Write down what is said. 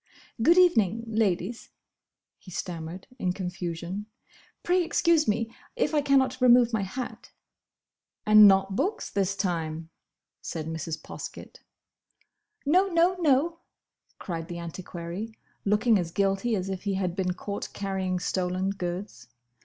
"Good evening, Ladies!" he stammered, in confusion. "Pray excuse me if I cannot remove my hat." "And not books, this time?" said Mrs. Poskett. "No, no, no!" cried the antiquary, looking as guilty as if he had been caught carrying stolen goods.